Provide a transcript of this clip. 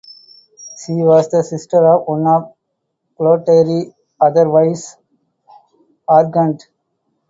She was the sister of one of Clotaire's other wives, Aregund.